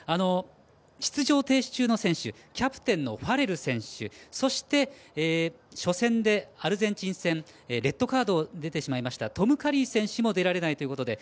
出場停止中の選手キャプテンのファレル選手そして、初戦アルゼンチン戦レッドカードが出てしまいましたトム・カリー選手も出られないということで。